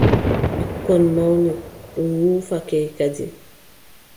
Ɓikkon mawni, ɗum wuufake kadi.